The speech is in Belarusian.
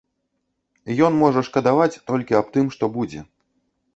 Ён можа шкадаваць толькі аб тым, што будзе.